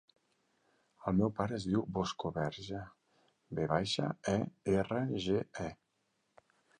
El meu pare es diu Bosco Verge: ve baixa, e, erra, ge, e.